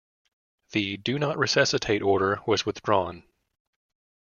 The "do not resuscitate" order was withdrawn.